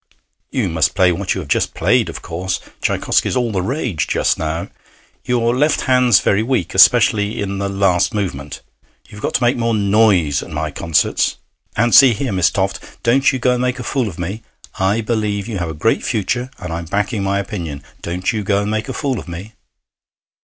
'You must play what you have just played, of course. Tschaikowsky's all the rage just now. Your left hand's very weak, especially in the last movement. You've got to make more noise at my concerts. And see here, Miss Toft, don't you go and make a fool of me. I believe you have a great future, and I'm backing my opinion. Don't you go and make a fool of me.'